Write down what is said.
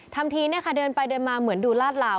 ท่ามทีเนี่ยค่ะเดินไปเดินมาเหมือนดูลาดเหลา